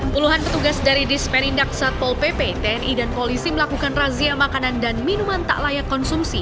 puluhan petugas dari disperindak satpol pp tni dan polisi melakukan razia makanan dan minuman tak layak konsumsi